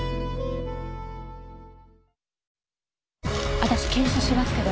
私検視しますけど。